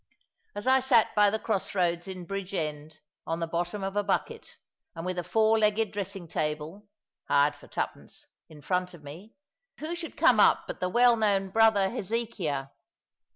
As I sate by the cross roads in Bridgend on the bottom of a bucket, and with a four legged dressing table (hired for twopence) in front of me, who should come up but the well known Brother Hezekiah?